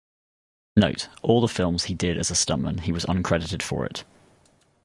Note: All the films he did as a Stuntman he was uncredited for it.